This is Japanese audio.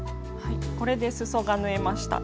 これですそが縫えました。